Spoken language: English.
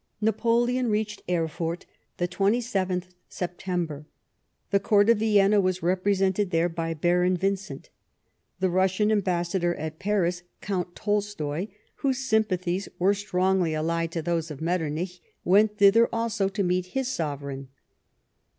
Napoleon reached Erfurt the 27th September. The Court of Vienna was represented there by Baron Vincent. The Russian ambassador at Paris, Count Tolstoy, whose sympathies were strongly allied to those of Metternich, went thither also to meet his sovereign.